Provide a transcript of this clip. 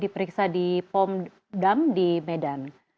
diperiksa di pom dam di medan